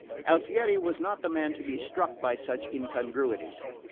Alfieri was not the man to be struck by such incongruities.